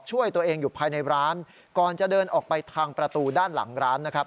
ช่วยตัวเองอยู่ภายในร้านก่อนจะเดินออกไปทางประตูด้านหลังร้านนะครับ